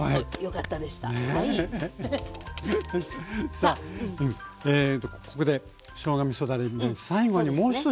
さあここでしょうがみそだれ最後にもう１品